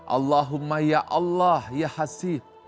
allahumma ya allah ya hasid